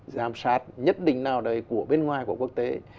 giám sát nhất định nào đấy của bên ngoài của quốc tế